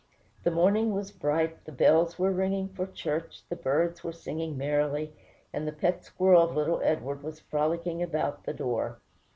The morning was bright, the bells were ringing for church, the birds were singing merrily, and the pet squirrel of little Edward was frolicking about the door.